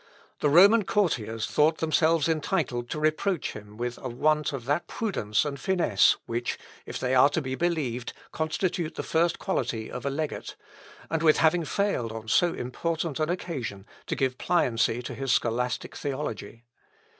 The Roman courtiers thought themselves entitled to reproach him with a want of that prudence and finesse which, if they are to be believed, constitute the first quality of a legate, and with having failed on so important an occasion, to give pliancy to his scholastic theology.